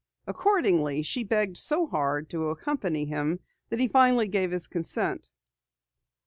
Accordingly, she begged so hard to accompany him that he finally gave his consent.